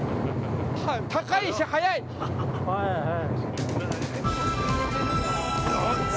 高いし、速い。